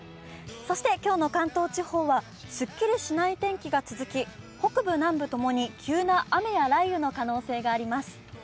そして今日の関東地方はすっきりしない天気が続き北部南部共に急な雨や雷雨の可能性があります。